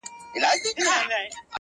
د سبا نری شماله د خدای روی مي دی دروړی!